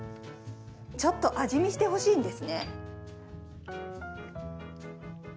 ちょっと味見してほしいんですね。